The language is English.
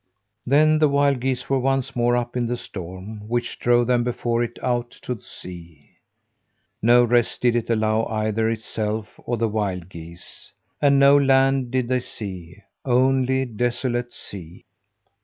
Then the wild geese were once more up in the storm which drove them before it out to sea. No rest did it allow either itself or the wild geese; and no land did they see only desolate sea.